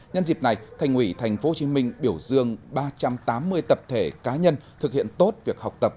nhân dịp này thành ủy tp hcm biểu dương ba trăm tám mươi tập thể cá nhân thực hiện tốt việc học tập